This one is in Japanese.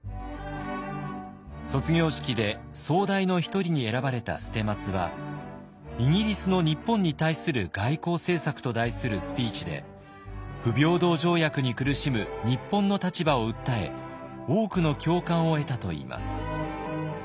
卒業式で総代の一人に選ばれた捨松は「イギリスの日本に対する外交政策」と題するスピーチで不平等条約に苦しむ日本の立場を訴え多くの共感を得たといいます。